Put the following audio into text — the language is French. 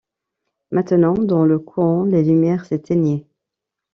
Maintenant, dans le coron, les lumières s’éteignaient.